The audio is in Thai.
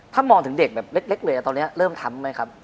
ถ้ามองถึงเด็กแบบเล็กเลยตอนนี้เริ่มทำไหมครับ